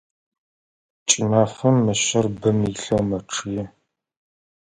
Кӏымафэм мышъэр бым илъэу мэчъые.